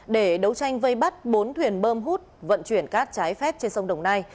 để đấu tranh vây bắt bốn thuyền bơm hút vận chuyển cát trái phép trên sông đồng nai